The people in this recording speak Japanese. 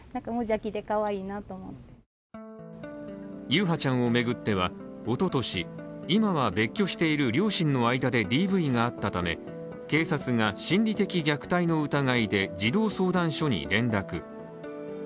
優陽ちゃんを巡ってはおととし今は別居している両親の間でＤＶがあったため警察が心理的虐待の疑いで児童相談所に連絡。